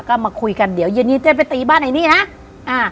ว่ามาคุยกันเดี๋ยวเย็นยีนเต้นไปตีบ้านไอ้นี่นะ